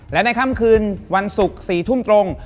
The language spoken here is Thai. และในค่ำคืนวันศุกร์๔ทุ่มตรง